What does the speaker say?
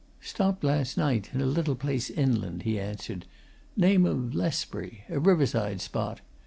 "Stopped last night in a little place, inland," he answered. "Name of Lesbury a riverside spot.